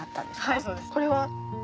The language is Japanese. はいそうです。